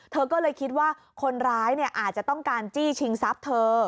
เธอก็เลยคิดว่าคนร้ายอาจจะต้องการจี้ชิงทรัพย์เธอ